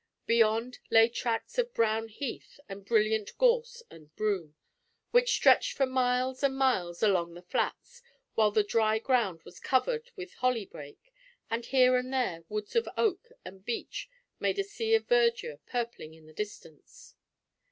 Beyond lay tracts of brown heath and brilliant gorse and broom, which stretched for miles and miles along the flats, while the dry ground was covered with holly brake, and here and there woods of oak and beech made a sea of verdure, purpling in the distance.